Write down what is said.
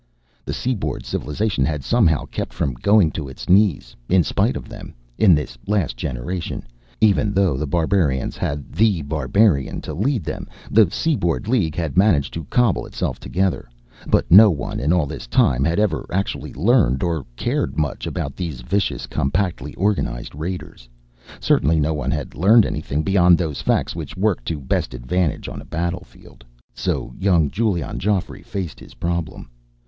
The seaboard civilization had somehow kept from going to its knees, in spite of them in this last generation, even though the barbarians had The Barbarian to lead them, the Seaboard League had managed to cobble itself together but no one, in all this time, had ever actually learned, or cared, much about these vicious, compactly organized raiders. Certainly no one had learned anything beyond those facts which worked to best advantage on a battlefield. So, young Giulion Geoffrey faced his problem.